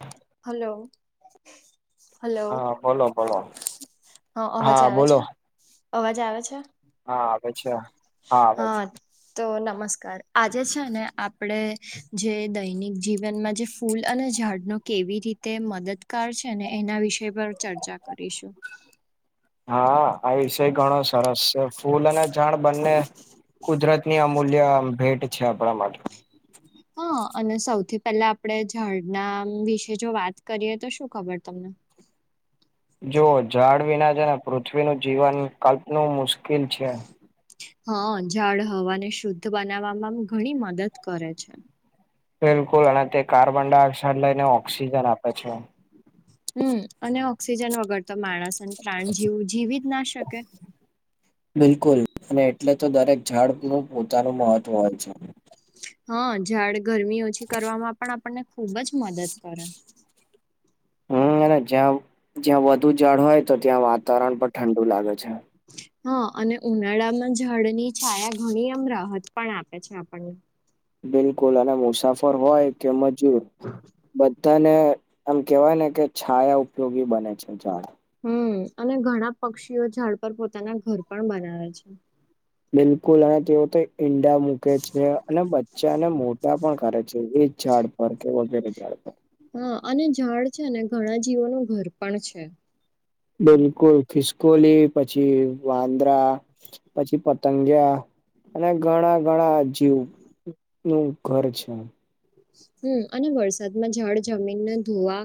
હા [inaudible] hello. Hello, હા બોલો બોલો હા અવાજ આવે છે અવાજ આવે છે. હા આવે છે હા આવે છે. તો નમસ્કાર આજે છે ને આપડે, જે દૈનિક જીવનમાં જે ફૂલ અને ઝાડનો કેવી રીતે મદદગાર છે ને એના વિષ પર ચર્ચા કરીશું. હા આ વિષય ઘણો સરસ છે ફૂલ અને અ જાણ બંને કુદરતની અમૂલ્ય ભેટ છે આપણા માટે. હા. અને સૌથી પહેલા આપડે ઝાળના વિશે જો વાત કરીએ તો શું ખબર તમને? જોઓ ઝાડ વિના જ પૃથ્વીનું જીવન કલ્પનું મુશ્કેલ ઉકેલ છે. હા ઝાડ હવાને શુદ્ધ બનાવવામાં ઘણી મદદ કરે છે. બિલકુલ અને તે કાર્બન ડાયોક્સાઇડ લઈને ઓક્સિજન આપે છે. હમ અને ઓક્સિજન વગર તો માણસ અને પ્રાણજીવ જીવી જ ના શકે. બિલકુલ અને એટલે તો દરેક ઝાડ નું પોતાનું મહત્વ હોય છે. હા ઝાડ ગરમી ઓછી કરવામાં પણ આપણને ખુબ જ મદદ કરે. હમ જ્યાં જ્યાં વધુ ઝાડ હોય તો ત્યાં વાતાવરણ પણ ઠંડુ લાગે છે. હા અને ઉનાળામાં જળની છાયા ઘણી એમ રાહત પણ આપે છે આપણને. બિલકુલ અને મુસાફર હોય કે મજૂર તને એમ કેવાય ને કે છાયા ઉપયોગી બને છે ઝાડ. હમ અને ઘણા પક્ષીઓ ઝાડ પર પોતાના ઘર પણ બનાવે છે. બિલકુલ અને તેઓ તો ઈંડા મૂકે છે અને બચ્ચાને મોટા પણ કરે છે એ ઝાડ [unintelligible] હા અને ઝાડ છે ને ઘણા જીવોનું ઘર પણ છે. બિલકુલ ખિસ્કોલી પછી વાંદરા. પછી પતંગિયા અને ઘણા ઘણા જી નું ઘર છે. હમ અને વરસાદમાં ઝાડ જમીનને ધોવા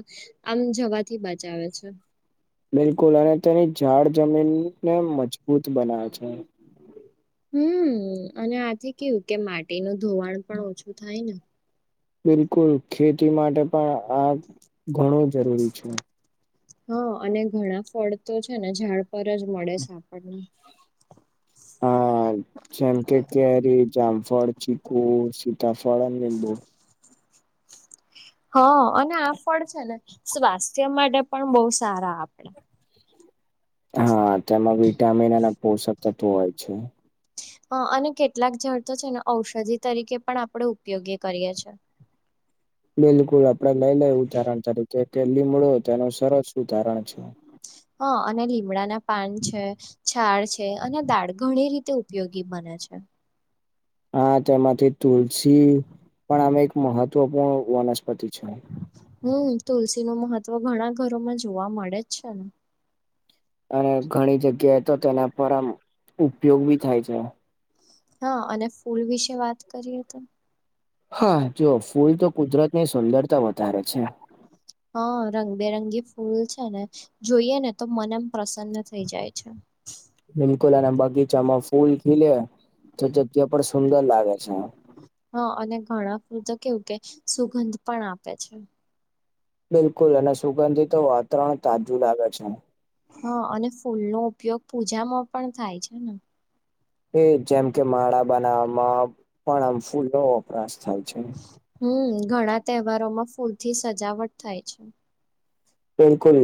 આમ જવાથી બચાવે છે. બિલકુલ અને તેની ઝાડ જમીનને મજબૂત બનાવે છે. હમ્મ અને આથી કેવું કે માટીનું ધોવાણ પણ ઓછું થાય ને. બિલકુલ ખેતી માટે પણ આ ઘણું જરૂરી છે. હા અને ઘણા ફળ તો છે ને ઝાડ પર જ મળે છે આપણને. હા જેમ કે કેરી જામફળ ચીકુ સીતાફળ અને લીંબુ. હ અને આ ફળ છે ને સ્વાસ્થ્ય માટે પણ બહુ સારા આપડા. હા તેમાં વિટામિન અને પોષક તત્વ હોય છે. અ અને કેટલાક ઝાડ તો છે ને ઔષધિ તરીકે પણ આપણે ઉપયોગી કરીએ છે. બિલકુલ આપડે લઈ લે એ ઉદાારણ તરીકે કે લીમડો તેનું સરસ ઉદાહરણ છે. હા અને લીમડા ના પાન છે. છાળ છે અને દાળ ઘણી રીતે ઉપયોગી બને છે. હા તેમાંથી તુલસી, પણ હવે એક મહત્વપૂર્ણ વનસ્પતિ છે. હમ્મ તુલસી નું મહત્વ ઘણા ઘરોમાં જોવા મળે જ છે ને. અને ઘણી જગ્યાએ તો તેના પર આમ ઉપયોગ બી થાય છે. હા અને ફૂલ વિશે વાત કરીએ તો. હા જુઓ ફૂલ તો કુદરત ની સુંદરતા વધારે છે. હા રંગબેરંગી ફૂલ છે ને જોઈએ ને તો મન આમ પ્રસન્ન થઈ જાય છે. બિલકુલ અને બગીચામાં ફૂલ ખીલે, તે જગ્યા પણ સુંદર લાગે છે. હા અને ઘણા ફૂલ તો કેવું કે, સુગંધ પણ આપે છે. બિલકુલ, અને સુગંધિત તો વાતાવરણ તાજું લાગે છે. હા, અને ફૂલનો ઉપયોગ પૂજામાં પણ થાય છે ને. એ જેમ કે માળા બનાવવામાં, પણ આમ ફૂલો વપરાશ થાય છે. હમ્મ, ઘણા તહેવારોમાં ફૂલથી સજાવટ થાય છે. બિલકુલ,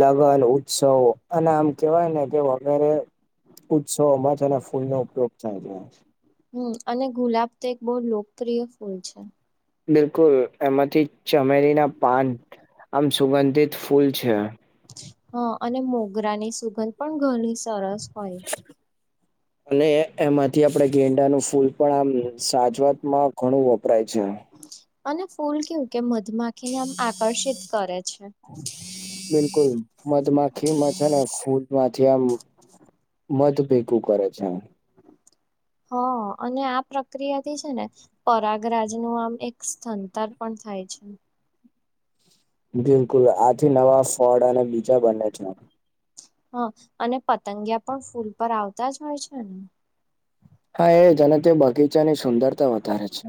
લગ્ન, ઉત્સવ અને આમ કેવાય ને કે, વગેરે ઉત્સવમાં તેના ફૂલ નો ઉપયોગ થાય છે. હમ્મ, અને ગુલાબ તો એક બહુ લોકપ્રિય ફૂલ છે. બિલકુલ, એમાંથી ચમેલી ના પાન આમ સુગંધિત ફૂલ છે. હ, અને મોગરાની સુગંધ પણ ઘણી સરસ હોય. અને એમાંથી આપણે ગેંડા નું ફૂલ પણ આમ સાજાવતમાં ઘણું વપરાય છે. અને ફૂલ કેવું કે, મધમાખીને આમ આકર્ષિત કરે છે. બિલકુલ મધમાખીમાં છે ને, ફૂલ માંથી આમ મધ ભેગું કરે છે. હ, અને આ પ્રક્રિયાથી છે ને, પરાગરાજ નું આમ એક સ્થળાતર પણ થાય છે. બિલકુલ, આથી નવા ફળ અને બીજા બને છે. હા, અને પતંગિયા પણ ફૂલ પર આવતા જ હોય છે ને. હા, એ જાને તે બગીચાની સુંદરતા વધારે છે.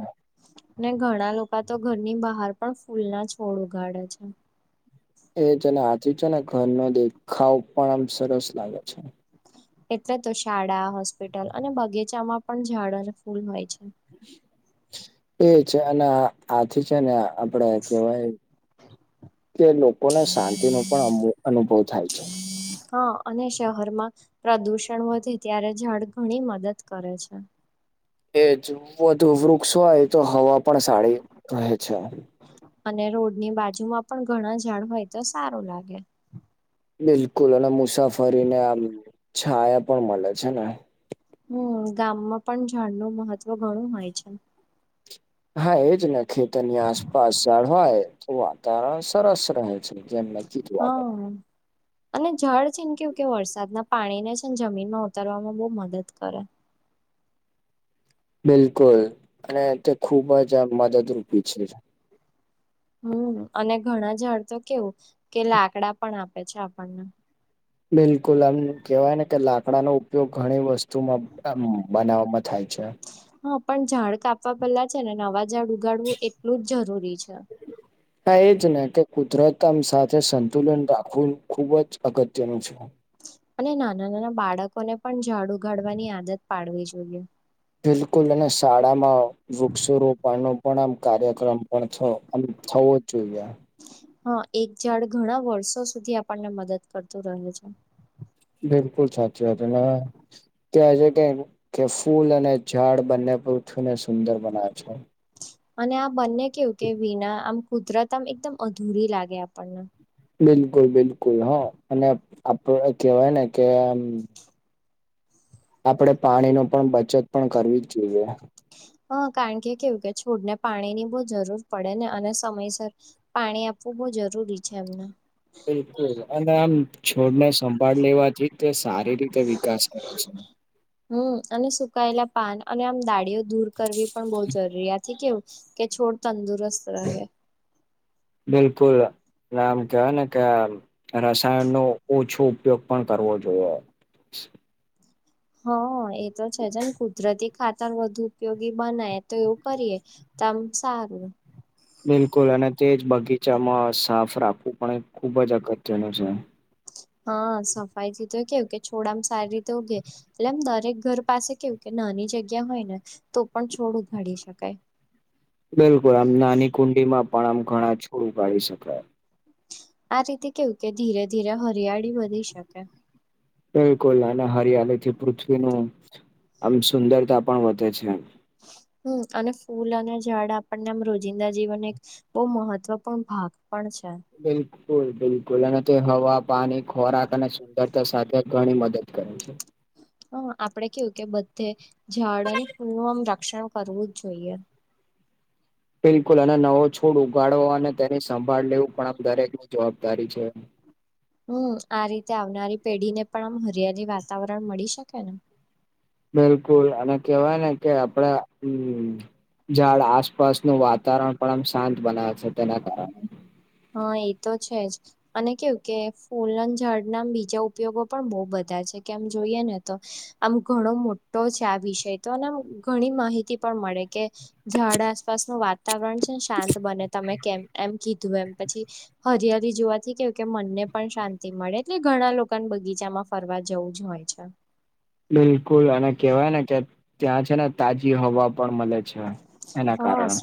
ને ઘણા લોકો તો ઘરની બહાર પણ ફૂલ ના છોડ ઉગાડે છે. એ જેને આચ છે ને, ઘરનો દેખાવ પણ આમ સરસ લાગે છે. એટલે તો શાળા હોસ્પિટલ અને બગીચામાં પણ ઝાડ અને ફૂલ હોય છે. એ છે, અને આથી છે ને, આપડે કેવાય. કે લોકોને શાંતિ ને પણ અનુભવ થાય છે. હા અને શહેરમાં પ્રદુષણ વધે, ત્યારે જડ ઘણી મદદ કરે છે. એજ વધુ વૃક્ષ હોય તો, હવા પણ સારી રહે છે. અને રોડ ની બાજુ માં પણ ઘણા ઝાડ હોય તો, સારું લાગે. બિલકુલ, અને મુસાફરી ને આમ છાયા પણ મળે છે ને. હમ, ગામમાં પણ ઝાડ નું મહત્વ ઘણું હોય છે. હા, એજ ને, ખેતરની આસપાસ જળવાય તો વાતાવરણ સરસ રહે. જેમ. મેં કીધું આગળ હા. અને જળ છે ને, કેવું કે વરસાદના પાણીને છે ને, જમીનમાં ઉતરવામાં બહુ મદદ કરે. બિલકુલ, અને તે ખૂબ જ આ મદદરૂપી છે. હમ, અને ઘણા જઝડ તો કેવું કે લાકડા પણ આપે છે, આપણને બિલકુલ આમ કહેવાય ને કે, લાકડાનો ઉપયોગ ઘણી વસ્તુમાં બનાવવામાં થાય છે. હા, પણ ઝાડ કાપવા પેલા છે ને, નવા ઝાડ ઉગાડવું એટલું જ જરૂરી છે. હા, એજ ને કે, કુદરતમ સાથે સંતુલન રાખવું ખુબ જ અગત્યનું છે. અને નાના-નાના બાળકોને, પણ ઝાડ ઉઘાડવાની આદત પાડવી જોઈએ. બિલકુલ, અને શાળામાં વૃક્ષો રોપવાનો પણ આમ કાર્યક્રમ પણ થયો. આમ થવો જ જોઈએ. હા, એક જાડ ઘણા વર્ષો સુધી આપણને મદદ કરતું રહે છે. બિલકુલ, સાચી વાત. એના કેવા છે કે, કે ફૂલ અને ઝાડ બંને પૃથ્વીને સુંદર બનાવે છે. અને આ બંને કેવું કે, વિના આમ કુદરત આમ, એકદમ અધૂરી લાગે આપણને. બિલકુલ, બિલકુલ, હ, અને આપડ કહેવાય ને કે. આપડે પાણી નું પણ બચત પણ કરવી જ જોઈએ. હ, કારણ કે કેવું કે છોડને, પાણી ની બહુ જરૂર પડે ને, અને સમયસર પાણી આપવું બહુ જરૂરી છે એમને. બિલકુલ, અને આમ છોડને સંભાળ લેવાથી, તે સારી રીતે વિકાસ કરે છે. હમ, અને સુકાયેલા પાન અને આમ દાળીઓ દૂર કરવી, પણ બહુ જરૂરી આ કેવું. કે છોડ તંદુરસ્ત રહે. બિલકુલ નામ કવાને ક રસાયણ નો ઓછો ઉપયોગ પણ કરવો જોઈએ. હ એ તો છે જ ને કુદરતી ખાતર વધુ ઉપયોગી બનાય તો એવું કરીએ. તમ સારું. બિલકુલ અને તે જ બગીચામાં સાફ રાખવું પણ એ ખુબ જ અગત્યનું છે. હા સફાઈ થી તો કેવું કે છોડ સારી રીતે ઉઘે. એટલે એમ દરેક ઘર પાસે કેવું કે નાની જગ્યા હોય ને, તો પણ છોડ ઉ ઘાડી શકાય. બિલકુલ આમ નાની કુંડી માં પણ આમ ઘણા છોડું કાઢી શકાય. આ રીતે કેવું કે ધીરે ધીરે હરિયાળી વધનીી શકે. બિલકુલ અને હરિયાળી થી પૃથ્વીનું આમ સુંદરતા પણ વધે છે. હ અને ફૂલ અને ઝાડ આપણને આમ રોજિંદા જીવન નું એક બહુ મહત્વપૂર્ણ ભાગ પણ છે. બિલકુલ બિલકુલ અને તે હવા, પાણી, ખોરાક અને સુંદરતા સાથે ઘણી મદદ કરે છે. હ આપડે કેવું કે બધે, ઝાડ અને ફૂલ નું આમ રક્ષણ કરવું જ જોઈએ. બિલકુલ અને નવો છોડ ઉગાડો અને તેની સંભાળ લેવું પણ આમ દરેકની જવાબદારી છે. હમ આ રીતે આવનારી પેઢી ને પણ આમ હરિયાલી વાતાવરણ મળી શકે ને. બિલકુલ અને કેવાય ને કે આપડે હમ. ઝાડ આસપાસનું વાતાવરણ પણ આમ શાંત બનાવે છે તેના કારણે. હા એ તો છે જ. અને કેવું કે ફૂલન ઝાડ ના બીજા ઉપયોગો પણ બહુ બધા છે કેમ જોઈએ ને. આમ ઘણો મોટો છે આ વિષય તો અને આમ ઘણી માહિતી પણ મળે કે ઝાડ આસપાસનું વાતાવરણ છે ને શાંત બને તમે કેમ એમ કીધું એમ પછી હરિયાળી જોવાથી કેવું કે મનને પણ શાંતિ મળે એટલે ઘણા લોકોને બગીચામાં ફરવા જવું જ હોય છે. બિલકુલ અને કેહેવાય ને કે ત્યાં છે ને તાજી હવા પણ મળે છે, એના હા સ કારણે.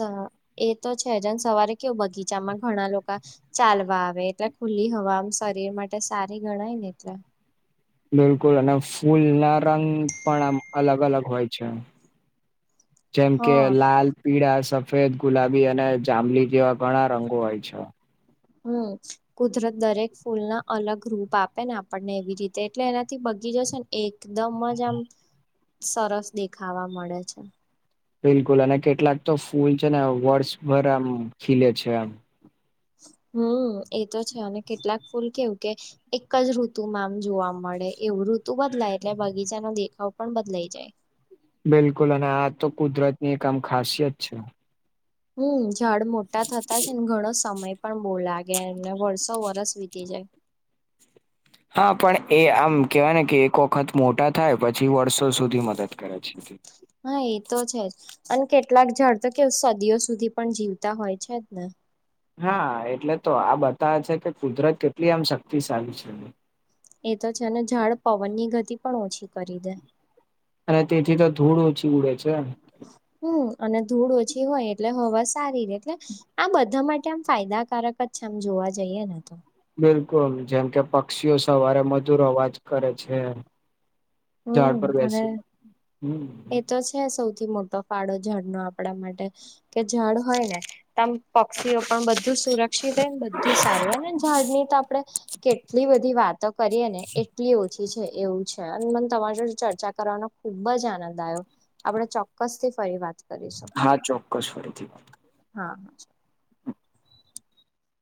એ તો છેજને સવારે કેવું બગીચામાં ઘણા લોકા ચાલવા આવે એટલે ખુલ્લી હવામ શરીર માટે સારી ગણાય ને એટલે. બિલકુલ અને ફૂલ ના રંગ પણ આમ અલગ અલગ હોય છે. જેમ કે હા લાલ પીળા, સફેદ, ગુલાબી, અને જાંમ્મલી જેવા ઘણા રંગો હોય છે. હમ. કુદરત દરેક ફૂલ ના અલગ રૂપ આપે ને આપણને એવી રીતે એટલે એનાથી બગી જશે ને એકદમ માં જ આમ સરસ દેખાવા મળે છે. બિલકુલ અને કેટલાક તો ફૂલ છે ને વર્ષભર આમ ખીલે છે આમ. હમ એતો છે અને કેટલાક ફૂલ કેવું કે એક જ ઋતુમાં આમ જોવા મળે એવું ઋતુ બદલાય એટલે બગીચાનો દેખાવ પણ બદલાઈ જાય. બિલકુલ અને આ તો કુદરત ની એક આમ ખાસિયત છે. હમ ઝાડ મોટા થતા છે ને ઘણો સમય પણ બો લાગ ગે ને એમ વર્ષો વરસ વીતી જાય. હા પણ એ આમ કેવાય ને કે એક વખત મોટા થાય પછી વર્ષો સુધી મદદ કરે છે. હા એ તો છે જ, અને કેટલાક ડ તો કે સદીઓ સુધી પણ જીવતા હોય છે જ ને, હા એટલે તો આ બતાવે છે કે કુદરત કેટલી આમ શક્તિશાળી છે. એ તો છે ને ઝાડ પવન ની ગતિ પણ ઓછી કરી દે. અને તેથી તો ધૂળ ઓછી ઉડે છે. હમ અને ધૂળ ઓછી હોય એટલે હવા સારી રે એટલે આ બધા માટે આમ ફાયદાકારક જ છે, આમ જોવા જઈએ ને તો. બિલકુલ જેમ કે પક્ષીઓ સવારે મધુર અવાજ કરે છે. હમ ઝાડ પર અને બેસી હમ. એ તો છે સૌથી મોટો ફાળો જળ નો આપણા માટે, કે જળ હોય ને. પક્ષીઓ પણ બધું સુરક્ષિત હો બધું સારું હો ને ઝાડની તો આપણે, કેટલી બધી વાતો કરીએ ને એટલી ઓ છી છે એવું છે અને મને તમારે ચર્ચા કરવાનો ખુબ જ આનંદ આયો આપણે ચોક્કસ થી ફરી વાત કરી શું. હા ચોક્કસ ફરીથી હા.